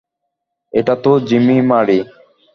এটাতো জিমি মারি।